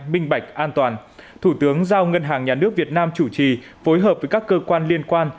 minh bạch an toàn thủ tướng giao ngân hàng nhà nước việt nam chủ trì phối hợp với các cơ quan liên quan